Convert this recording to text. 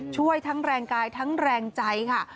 ช่วยทั้งแรงกายทั้งแรงใจค่ะ